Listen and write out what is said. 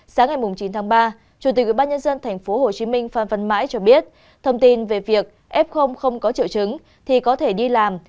sáng ngày chín tháng ba chủ tịch ủy ban nhân dân thành phố hồ chí minh phan văn mãi cho biết thông tin về việc f không có triệu chứng thì có thể đi làm